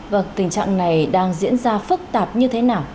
vâng tình trạng này đang diễn ra phức tạp như thế nào